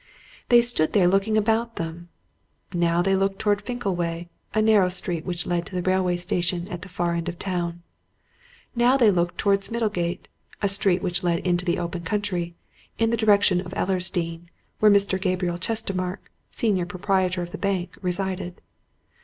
They stood there looking about them. Now they looked towards Finkleway a narrow street which led to the railway station at the far end of the town. Now they looked towards Middlegate a street which led into the open country, in the direction of Ellersdeane, where Mr. Gabriel Chestermarke, senior proprietor of the bank, resided.